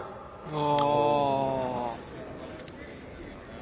お。